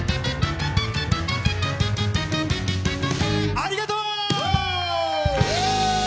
ありがとう！フゥ！